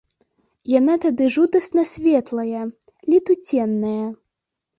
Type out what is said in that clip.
Яна тады жудасна светлая, летуценная.